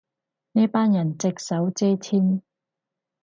呢班人隻手遮天